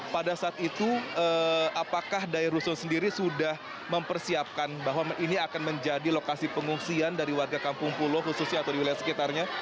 pada saat itu apakah dari rusun sendiri sudah mempersiapkan bahwa ini akan menjadi lokasi pengungsian dari warga kampung pulo khususnya atau di wilayah sekitarnya